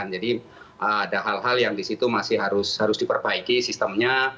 jadi ada hal hal yang di situ masih harus diperbaiki sistemnya